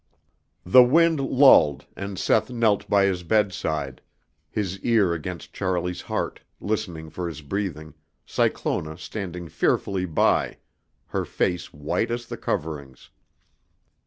The wind lulled and Seth knelt by his bedside, his ear against Charlie's heart, listening for his breathing, Cyclona standing fearfully by, her face white as the coverings.